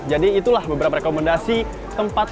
jadi itulah beberapa rekomendasi tempat